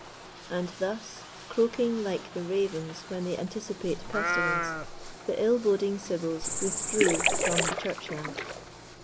And thus, croaking like the ravens when they anticipate pestilence, the ill boding sibyls withdrew from the churchyard.